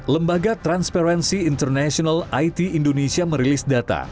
lembaga transparency international it indonesia merilis data